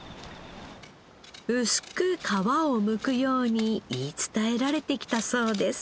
薄く皮をむくように言い伝えられてきたそうです。